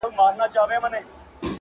لکه شمع بلېده په انجمن کي.!